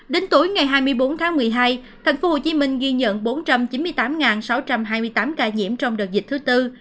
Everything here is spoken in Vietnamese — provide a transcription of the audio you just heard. đến tuổi ngày hai mươi bốn tháng một mươi hai thành phố hồ chí minh ghi nhận bốn trăm chín mươi tám sáu trăm hai mươi tám ca nhiễm trong đợt dịch thứ bốn